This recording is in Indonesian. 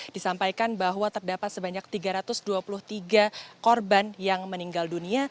disampaikan bahwa terdapat sebanyak tiga ratus dua puluh tiga korban yang meninggal dunia